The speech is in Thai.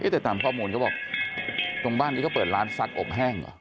แต่ตามข้อมูลเขาบอกตรงบ้านนี้เขาเปิดร้านซักอบแห้งเหรอ